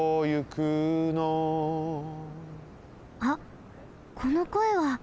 あっこのこえは。